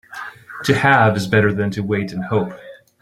To have is better than to wait and hope.